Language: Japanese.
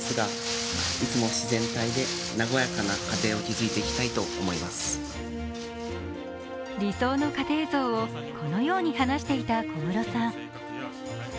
そして理想の家庭像をこのように話していた小室圭さん。